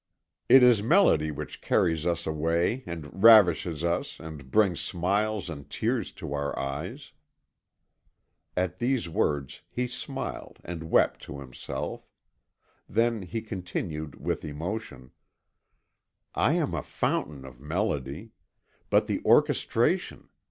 It is melody which carries us away and ravishes us and brings smiles and tears to our eyes." At these words he smiled and wept to himself. Then he continued with emotion: "I am a fountain of melody. But the orchestration!